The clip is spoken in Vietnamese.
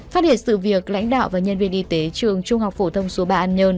phát hiện sự việc lãnh đạo và nhân viên y tế trường trung học phổ thông số ba an nhơn